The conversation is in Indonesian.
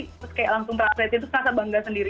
terus kayak langsung transferensi terus rasa bangga sendiri